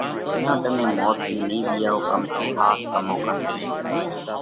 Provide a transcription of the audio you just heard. تئيون تمي موت ٿِي نئين ٻِيئائو ڪم تو ۿاس تمون ڪنَ هوشي۔